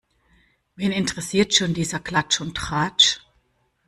Wen interessiert schon dieser Klatsch und Tratsch?